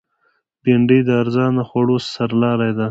بېنډۍ د ارزانه خوړو سرلاری ده